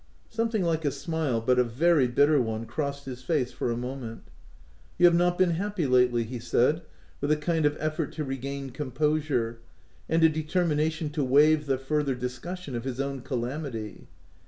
Something like a smile, but a very bitter one, crossed his face for a moment. " You have not been happy lately ?" he said with a kind of effort to regain composure, and a determination to waive the further discussion of his own calamity.